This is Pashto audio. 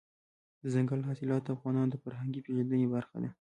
دځنګل حاصلات د افغانانو د فرهنګي پیژندنې برخه ده.